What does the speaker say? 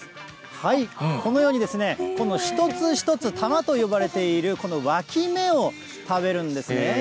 はい、このように、この一つ一つ、たまと呼ばれているこのわき芽を食べるんですね。